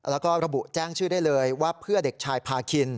แล้วก็ระบุแจ้งชื่อได้เลยว่าเพื่อเด็กชายพาคิน